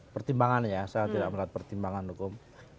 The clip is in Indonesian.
pertimbangan ya saya tidak melihat pertimbangan hukum